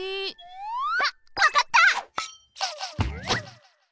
あっわかった！